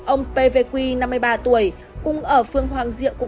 ông pv năm mươi ba tuổi cùng ở phương hoàng diệu